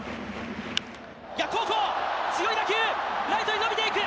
逆方向、強い打球、ライトに伸びていく。